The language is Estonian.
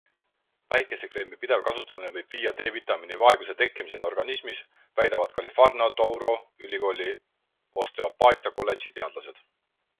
Päikesekreemi pidev kasutamine võib viia D-vitamiini vaeguse tekkimiseni organismis, väidavad Kalifornia Touro Ülikooli Osteopaatia kolldeži teadlased.